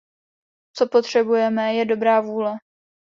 Co potřebujeme, je dobrá vůle.